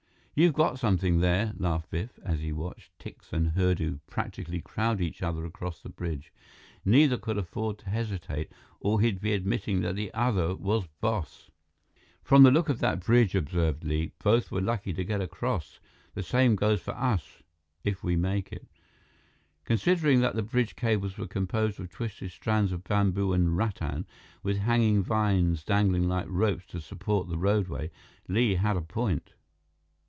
"You've got something there," laughed Biff, as he watched Tikse and Hurdu practically crowd each other across the bridge. "Neither could afford to hesitate, or he'd be admitting that the other was boss." "From the look of that bridge," observed Li, "both were lucky to get across. The same goes for us if we make it." Considering that the bridge's cables were composed of twisted strands of bamboo and rattan, with hanging vines dangling like ropes to support the roadway, Li had a point.